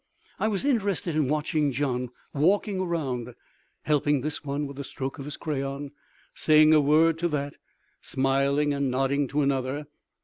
I was interested in watching Gian walking around, helping this one with a stroke of his crayon, saying a word to that, smiling and nodding to another.